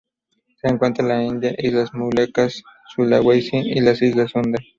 Se encuentra en la India, Islas Molucas, Sulawesi y las islas Sunda.